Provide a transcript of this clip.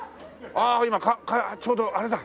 あ今ちょうどあれだ。